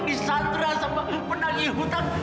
disantra sama penagih hutan